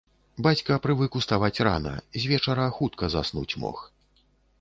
Бацька прывык уставаць рана, звечара хутка заснуць мог.